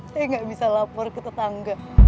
saya nggak bisa lapor ke tetangga